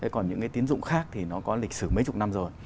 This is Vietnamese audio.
còn những cái tín dụng khác thì nó có lịch sử mấy chục năm rồi